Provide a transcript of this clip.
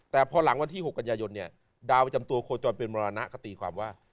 แต่พอหลังวันที่๖กันยายนเนี่ยดาวประจำตัวโคจรเป็นมรณะก็ตีความว่า